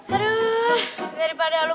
aduh daripada lo